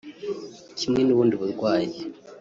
Kimwe n’ubundi burwayi